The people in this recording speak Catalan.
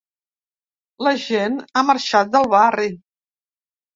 La gent ha marxat del barri.